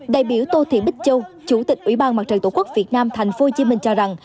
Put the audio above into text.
đại biểu tô thị bích châu chủ tịch ủy ban mặt trận tổ quốc việt nam tp hcm cho rằng